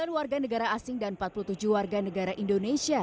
sembilan warga negara asing dan empat puluh tujuh warga negara indonesia